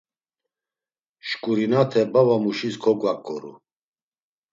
Şǩurinate babamuşis kogvaǩoru.